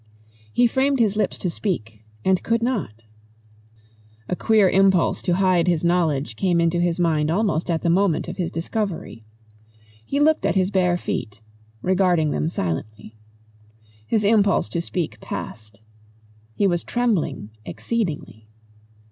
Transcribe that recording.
He framed his lips to speak and could not. A queer impulse to hide his knowledge came into his mind almost at the moment of his discovery. He looked at his bare feet, regarding them silently. His impulse to speak passed. He was trembling exceedingly.